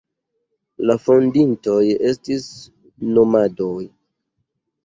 La fondintoj estis nomadoj.